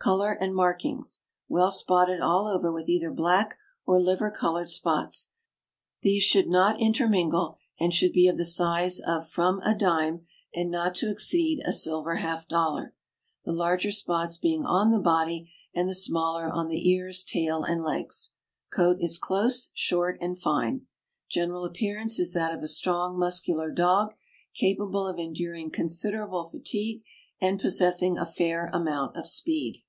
Color and markings.— Well spotted all over with either black or liver colored spots; these should not intermingle, and should be of the size of from a dime and not to exceed THE DALMATIAN DOG. 613 a silver half dollar — the larger spots being on the body and the smaller on the ears, tail, and legs. Goat is close, short, and fine. General appearance is that of a strong, muscular dog, capable of enduring considerable fatigue, and possessing a fair amount of speed.